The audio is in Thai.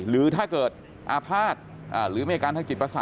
หรือถ้าเกิดอภาพหรืออิมเมฉการทางจิตประสาน